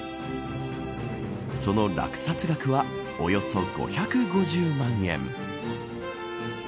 その落札額はおよそ５５０万円。